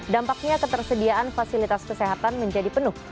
dampaknya ketersediaan fasilitas kesehatan menjadi penuh